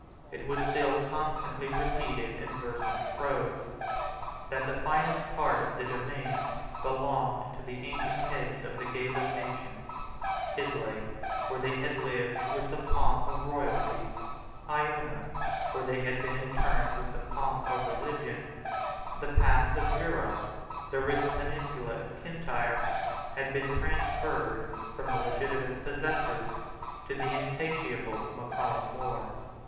It was still constantly repeated, in verse and prose, that the finest part of the domain belonging to the ancient heads of the Gaelic nation, Islay, where they had lived with the pomp of royalty, Iona, where they had been interred with the pomp of religion, the paps of Jura, the rich peninsula of Kintyre, had been transferred from the legitimate possessors to the insatiable Mac Callum More.